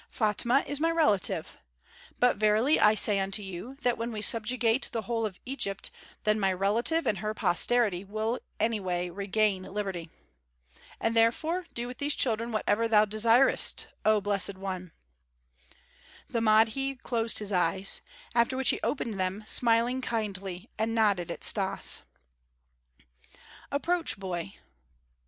Fatma is my relative. But verily I say unto you that when we subjugate the whole of Egypt, then my relative and her posterity will anyway regain liberty." "And therefore do with these children whatever thou desirest oh blessed one." The Mahdi closed his eyelids, after which he opened them, smiling kindly, and nodded at Stas. "Approach, boy."